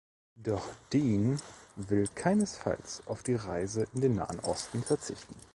Doch Dean will keinesfalls auf die Reise in den Nahen Osten verzichten.